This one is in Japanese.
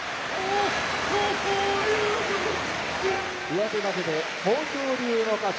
上手投げで豊昇龍の勝ち。